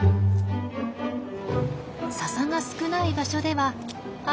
ササが少ない場所ではあ